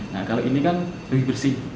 nah kalau ini kan lebih bersih